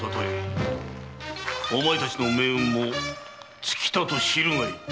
お前達の命運も尽きたと知るがいい。